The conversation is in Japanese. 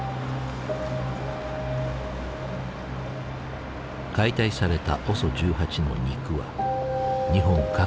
解体されたＯＳＯ１８の肉は日本各地に流通した。